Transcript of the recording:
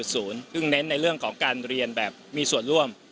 ซึ่งเน้นในเรื่องของการเรียนแบบมีส่วนร่วม